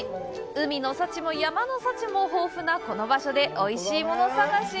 海の幸も山の幸も豊富なこの場所でおいしいもの探し！